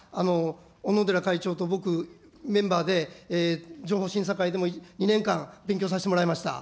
おのでら会長と僕、メンバーで、情報審査会でも２年間、勉強させてもらいました。